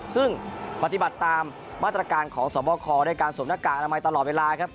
ซึ่งปฏิบัติตามมาตรการของสวบคด้วยการสวมหน้ากากอนามัยตลอดเวลาครับ